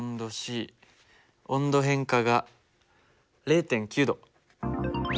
温度変化が０．９℃。